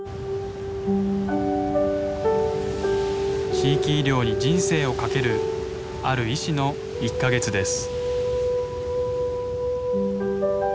地域医療に人生をかけるある医師の１か月です。